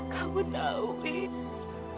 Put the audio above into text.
kamu tahu ibu